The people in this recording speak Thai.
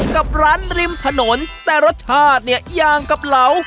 กับร้านริมถนนแต่รสชาติเนี่ยยางกับเหลา